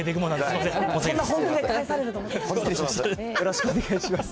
きょうもよろしくお願いします。